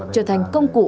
trở thành công cụ